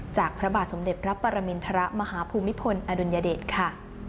พระบาทสมเด็จพระปรมินทรมาฮภูมิพลอดุลยเดชค่ะ